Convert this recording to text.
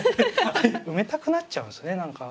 埋めたくなっちゃうんですよね何か。